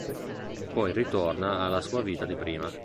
Poi ritorna alla sua vita di prima.